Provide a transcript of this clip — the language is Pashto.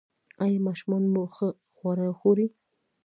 ایا ماشومان مو ښه خواړه خوري؟